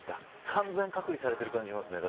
完全隔離されている感じがしますね。